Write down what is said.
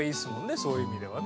そういう意味ではね。